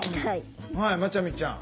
はいまちゃみちゃん。